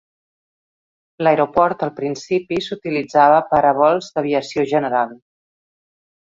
L'aeroport al principi s'utilitzava per a vols d'aviació general.